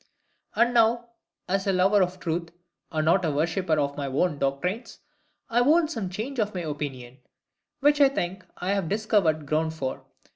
And now, as a lover of truth, and not a worshipper of my own doctrines, I own some change of my opinion; which I think I have discovered ground for.